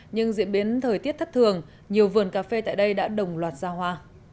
nhưng diễn biến thời tiết thất thường nhiều vườn cà phê tại đây đã đồng loạt ra hoa